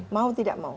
mau tidak mau